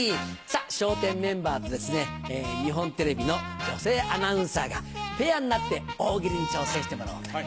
笑点メンバーと日本テレビの女性アナウンサーがペアになって大喜利に挑戦してもらおうというね